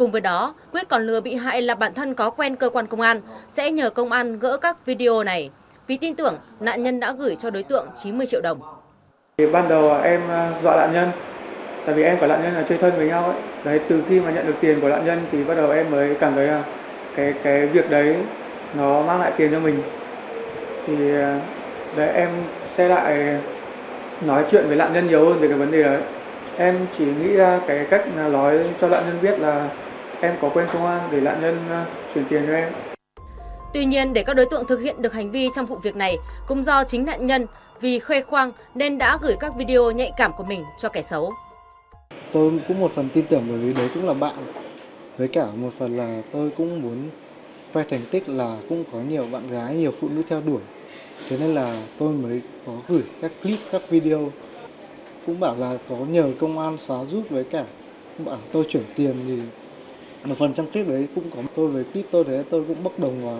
một phần trong clip đấy cũng có tôi với clip tôi tôi thấy tôi cũng bất đồng quá